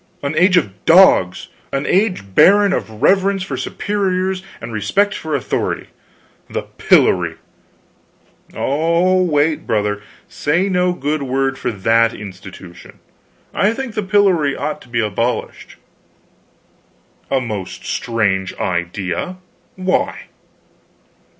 "An age of dogs, an age barren of reverence for superiors and respect for authority! The pillory " "Oh, wait, brother; say no good word for that institution. I think the pillory ought to be abolished." "A most strange idea. Why?"